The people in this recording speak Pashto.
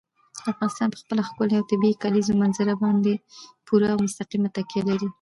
افغانستان په خپله ښکلې او طبیعي کلیزو منظره باندې پوره او مستقیمه تکیه لري.